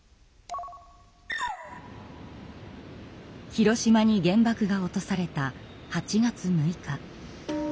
広島に原爆が落とされた８月６日。